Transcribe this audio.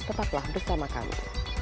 tetaplah bersama kami